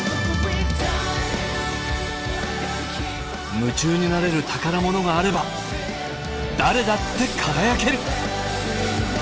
夢中になれる宝物があれば誰だって輝ける！